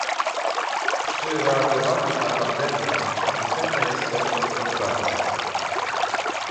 Przy reagowaniu na pandemię niezbędna jest lepsza współpraca